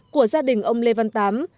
của gia đình ông lê văn tám